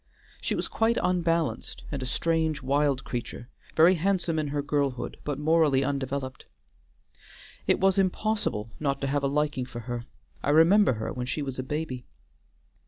She was quite unbalanced and a strange, wild creature, very handsome in her girlhood, but morally undeveloped. It was impossible not to have a liking for her. I remember her when she was a baby."